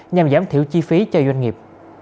nhằm giảm thiểu chi phí cho doanh nghiệp